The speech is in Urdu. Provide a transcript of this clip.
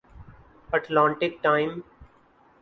Atlantic time